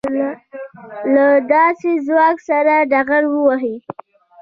له داسې ځواک سره ډغرې ووهي.